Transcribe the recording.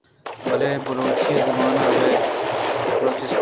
بلے بلوچی زبان ابید ءَ بلوچستان